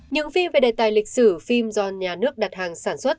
những phim về đề tài lịch sử phim do nhà nước đặt hàng sản xuất